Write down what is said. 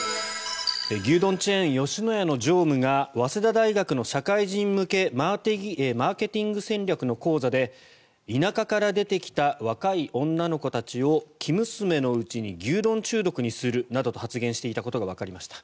牛丼チェーン、吉野家の常務が早稲田大学の社会人向けマーケティング戦略の講座で田舎から出てきた若い女の子たちを生娘のうちに牛丼中毒にするなどと発言していたことがわかりました。